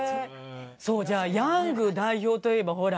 そうじゃあヤング代表といえばほら。